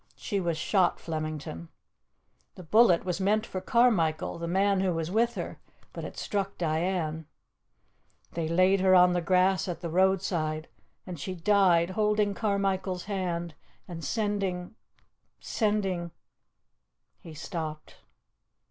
She was shot, Flemington. The bullet was meant for Carmichael, the man who was with her, but it struck Diane. ... They laid her on the grass at the roadside and she died, holding Carmichael's hand, and sending sending " He stopped.